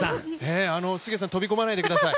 杉谷さん飛び込まないでください。